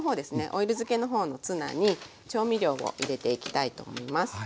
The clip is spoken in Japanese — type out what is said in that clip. オイル漬けの方のツナに調味料を入れていきたいと思います。